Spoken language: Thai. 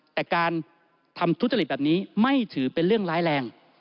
แต่การทำทุจริตแบบนี้ไม่ถือเป็นเรื่องร้ายแรง